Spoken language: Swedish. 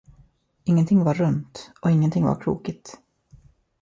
Ingenting var runt, och ingenting var krokigt.